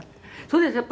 「そうですね。